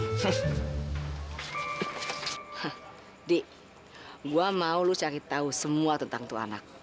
dik gue mau lo cari tahu semua tentang tuh anak